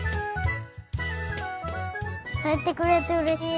さいてくれてうれしい。